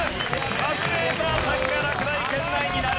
カズレーザーさんが落第圏内になる。